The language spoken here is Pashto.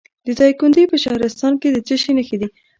د دایکنډي په شهرستان کې د څه شي نښې دي؟